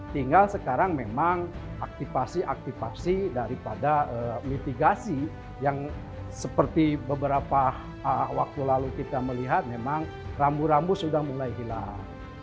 tinggal sekarang memang aktifasi aktifasi daripada mitigasi yang seperti beberapa waktu lalu kita melihat memang rambu rambu sudah mulai hilang